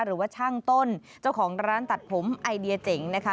หรือว่าช่างต้นเจ้าของร้านตัดผมไอเดียเจ๋งนะคะ